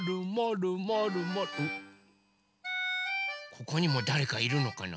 ここにもだれかいるのかな？